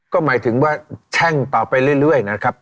ก็หมายถึงว่าแช่งต่อไปเรื่อยนะครับ